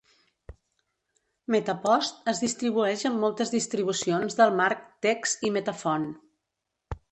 MetaPost es distribueix amb moltes distribucions del marc TeX i Metafont.